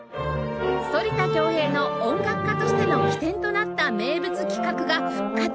反田恭平の音楽家としての起点となった名物企画が復活！